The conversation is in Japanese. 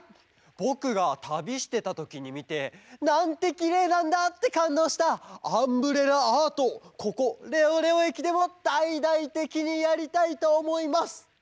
ぼくがたびしてたときにみて「なんてきれいなんだ！」ってかんどうした「アンブレラアート」をここレオレオえきでもだいだいてきにやりたいとおもいます！